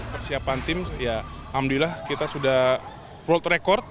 persiapan tim ya alhamdulillah kita sudah world record